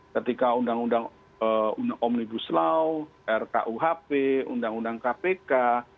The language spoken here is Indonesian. ketika undang undang omnibus law rkuhp undang undang kpk